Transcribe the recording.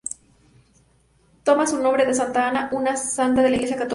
Toma su nombre de Santa Ana una santa de la iglesia católica.